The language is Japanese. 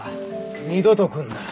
二度と来んな。